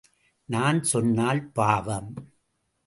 நான் சொன்னால் பாவம்.